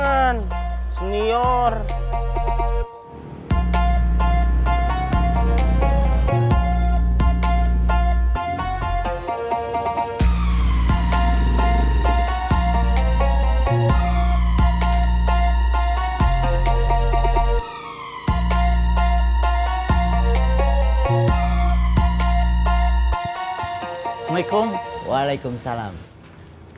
assalamualaikum warahmatullahi wabarakatuh